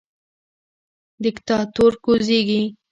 دیکتاتور کوزیږي